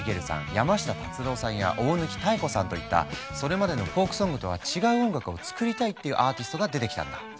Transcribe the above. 山下達郎さんや大貫妙子さんといったそれまでのフォークソングとは違う音楽を作りたいっていうアーティストが出てきたんだ。